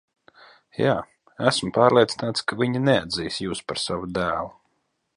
Jā, esmu pārliecināts, ka viņi neatzīs jūs par savu dēlu.